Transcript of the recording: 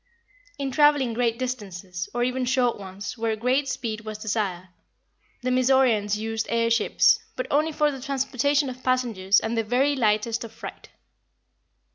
In traveling great distances, or even short ones where great speed was desired, the Mizoraens used air ships; but only for the transportation of passengers and the very lightest of freight.